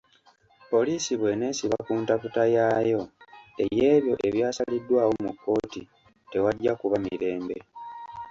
Poliisi bw’eneesiba ku ntaputa yaayo ey’ebyo ebyasaliddwaawo mu kkooti ,tewajja kuba mirembe.